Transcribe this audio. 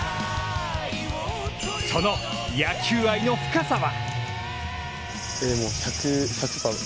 その野球愛の深さは。